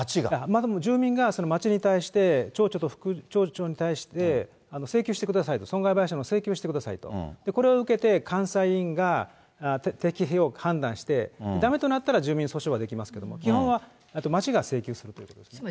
住民が、町に対して、町長と副町長に対して請求してくださいと、損害賠償を請求してくださいと、これを受けて、監査委員が適否を判断して、住民訴訟はできますけど、基本は町が請求するということですね。